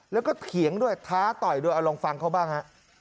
แล้วก็เถียงด้วยท้าต่อยด้วยเอาลองฟังเขาบ้างฮะ